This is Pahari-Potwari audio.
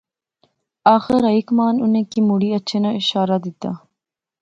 آخر ہائی کمان انیں کی مڑی اچھے ناں شارہ دتا